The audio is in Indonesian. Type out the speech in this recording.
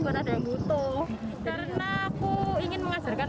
oh karena aku ingin membutuhkan